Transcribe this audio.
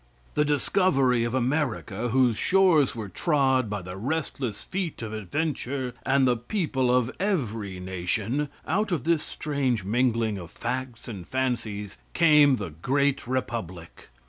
The discovery of America, whose shores were trod by the restless feet of adventure and the people of every nation out of this strange mingling of facts and fancies came the great Republic.